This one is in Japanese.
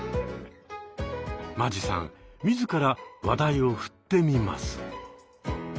間地さん自ら話題を振ってみます。